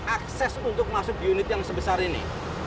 akses untuk masuk unit yang sebesar ini